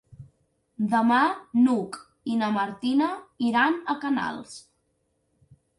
Demà n'Hug i na Martina iran a Canals.